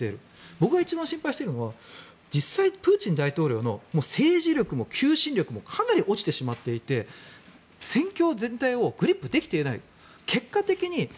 僕が一番心配しているのは実際、プーチン大統領の政治力も求心力もかなり落ちてしまっていて戦況全体をグリップできていない。